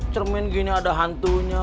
cermin gini ada hantunya